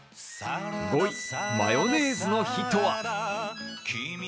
５位、マヨネーズの日とは？